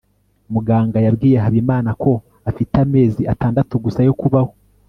muganga yabwiye habimana ko afite amezi atandatu gusa yo kubaho